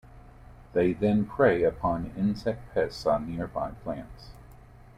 They then prey upon insect pests on nearby plants.